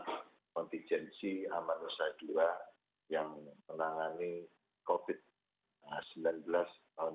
kontingensi amanusa ii yang menangani covid sembilan belas tahun dua ribu dua puluh